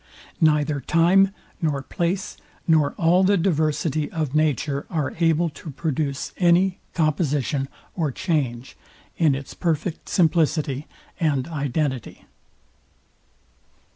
Neither time, nor place, nor all the diversity of nature are able to produce any composition or change in its perfect simplicity and identity.